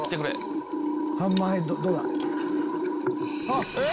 「あっ！